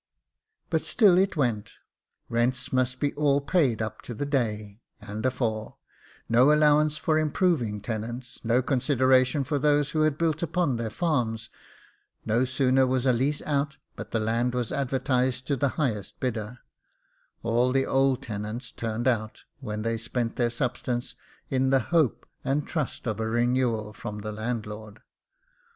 But still it went. Rents must be all paid up to the day, and afore; no allowance for improving tenants, no consideration for those who had built upon their farms: no sooner was a lease out, but the land was advertised to the highest bidder; all the old tenants turned out, when they spent their substance in the hope and trust of a renewal from the landlord.